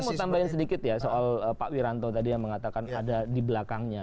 saya mau tambahin sedikit ya soal pak wiranto tadi yang mengatakan ada di belakangnya